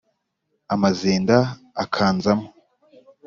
amazinda akanzamo